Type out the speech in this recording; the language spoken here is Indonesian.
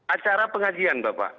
acara pengajian bapak